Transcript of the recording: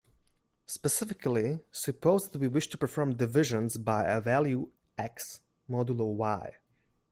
Specifically, suppose that we wish to perform divisions by a value "x", modulo "y".